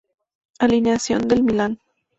Alineación del Milan